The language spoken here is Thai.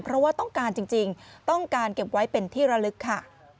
เพราะว่าต้องการจริงต้องการเก็บไว้เป็นที่ระลึกค่ะ